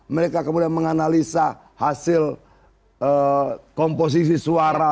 mereka kemudian menganalisa hasil komposisi suara